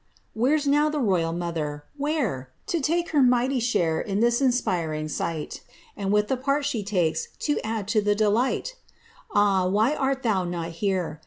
Wlicre's now the royid raother^ wbere 1 To take ber mighty share In this inspiring sight. And with the part the takes, to add to the delight I Ah, whj art thou not here